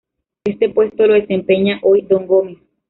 Este puesto lo desempeña hoy Don Gómez.